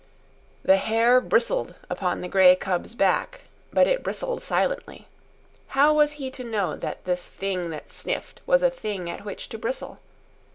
The hair bristled upon the grey cub's back, but it bristled silently. How was he to know that this thing that sniffed was a thing at which to bristle?